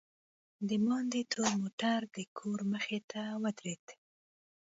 دباندې تور موټر دکور مخې ته ودرېد.